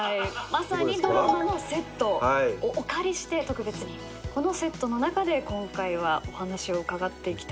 まさにドラマのセットをお借りして特別にこのセットの中で今回はお話を伺っていきたいと思いますが。